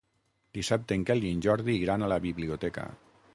Dissabte en Quel i en Jordi iran a la biblioteca.